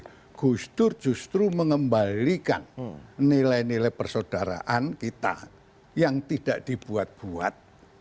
agustus justru mengembalikan nilai nilai persaudaraan kita yang tidak dibuat buat